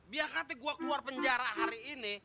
biar kata gua keluar penjara hari ini